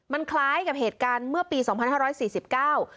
มันคล้ายกับเหตุการณ์เมื่อปีสองพันห้าร้อยสี่สิบเก้า